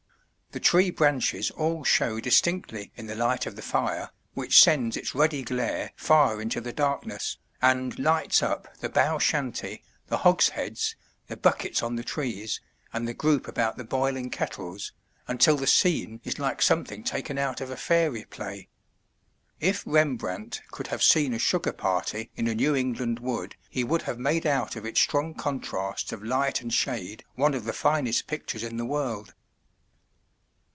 The tree branches all show distinctly in the light of the fire, which sends its ruddy glare far into the darkness, and lights up the bough shanty, the hogsheads, the buckets on the trees, and the group about the boiling kettles, until the scene is like something taken out of a fairy play. If Rembrandt could have seen a sugar party in a New England wood he would have made out of its strong contrasts of light and shade one of the finest pictures in the world.